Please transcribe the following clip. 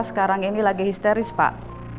sekarang ini lagi histeris pak